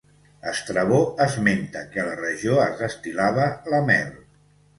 Estrabó esmenta que a la regió es destil·lava la mel.